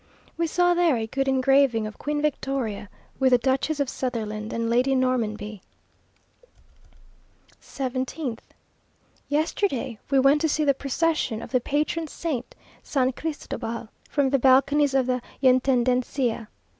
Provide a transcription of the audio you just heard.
We saw there a good engraving of Queen Victoria, with the Duchess of Sutherland and Lady Normanby. 17th. Yesterday we went to see the procession of the patron saint, San Cristobal, from the balconies of the Yntendencia.